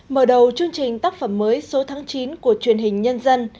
mở đầu chương trình tác phẩm mới số tháng chín của truyền hình nhân dân